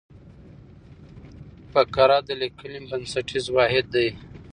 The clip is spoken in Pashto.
فقره د لیکني بنسټیز واحد دئ.